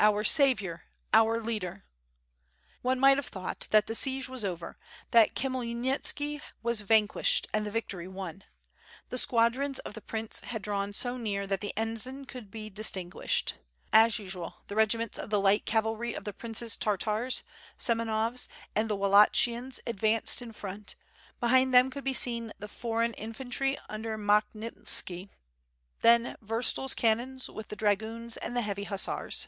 our saviour! our leader!'' One might have thought that the siege was over, that Khmyel nitski was vanquished and the victory won. The squadrons of the prince had drawn so near that the ensign could be distinguished. As usual the regiments of the light cavalry of the Prince's Tartars, Semenovs and the Wallachians ad vanced in front, behind them could be seen the foreign in fantry under Makhnitski — then Vurtsel's cannons, with the dragoons and the heavy hussars.